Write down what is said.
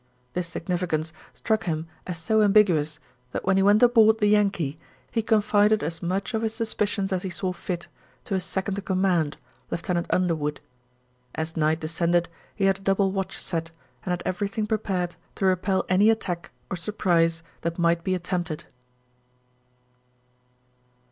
This significance struck him as so ambiguous that when he went aboard the Yankee he confided as much of his suspicions as he saw fit to his second in command, Lieutenant Underwood. As night descended he had a double watch set and had everything prepared to repel any attack or surprise that might be attempted.